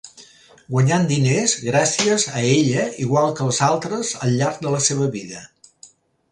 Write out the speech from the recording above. Guanyant diners gràcies a ella igual que els altres al llarg de la seva vida.